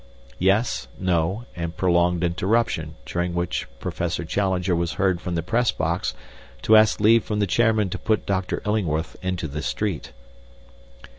('Yes,' 'No,' and prolonged interruption, during which Professor Challenger was heard from the Press box to ask leave from the chairman to put Dr. Illingworth into the street.)